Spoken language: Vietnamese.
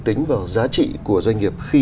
tính vào giá trị của doanh nghiệp khi